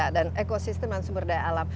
dan ekosistem dan sumber daya alam